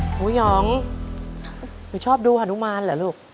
หยองหนูชอบดูฮานุมานเหรอลูก